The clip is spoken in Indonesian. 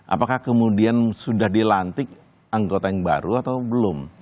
apakah kemudian sudah dilantik anggota yang baru atau belum